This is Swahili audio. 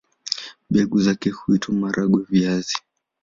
Mbegu zake huitwa maharagwe-viazi.